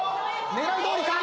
狙いどおりか！？